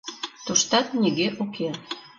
— Туштат нигӧ уке.